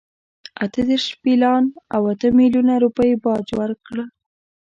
اته دېرش پیلان او اته میلیونه روپۍ باج ورکړ.